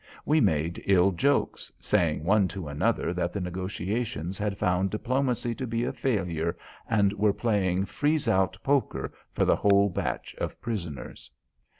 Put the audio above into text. We made ill jokes, saying one to another that the negotiations had found diplomacy to be a failure, and were playing freeze out poker for the whole batch of prisoners.